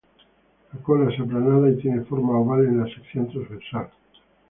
La cola es aplanada y tiene forma oval en la sección trasversal.